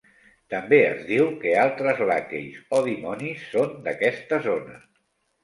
També es diu que altres "Lakheys" o dimonis són d'aquesta zona.